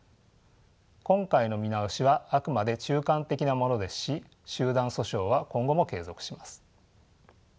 今回の見直しはあくまで中間的なものですし集団訴訟は今後も継続します。